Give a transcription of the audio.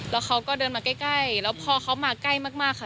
แล้วเขาก็เดินมาใกล้แล้วพอเขามาใกล้มากค่ะ